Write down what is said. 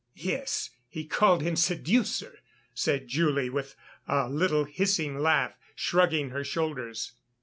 "Yes, he called him seducer," said Julie with a little hissing laugh, shrugging her shoulders.